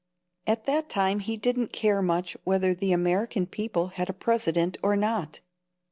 At that time he didn't care much whether the American people had a president or not.